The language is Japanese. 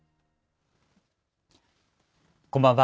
こんばんは。